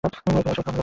এখন, এই সব ঘটছে।